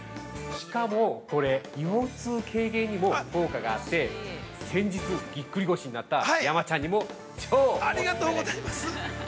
しかも、これ腰痛軽減にも効果があって先日、ぎっくり腰になった山ちゃんにも超おすすめです！